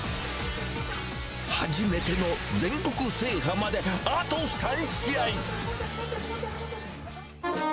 初めての全国制覇まであと３試合。